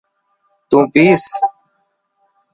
تون پيس.